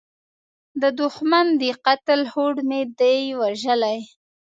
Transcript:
د دوښمن د قتل هوډ مې دی وژلی